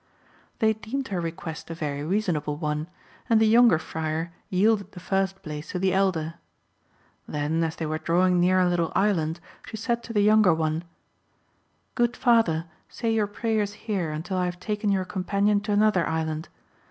They deemed her request a very reasonable one, and the younger friar yielded the first place to the elder. Then, as they were drawing near a little island, she said to the younger one "Good father, say your prayers here until I have taken your companion to another island.